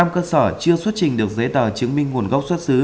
năm cơ sở chưa xuất trình được giấy tờ chứng minh nguồn gốc xuất xứ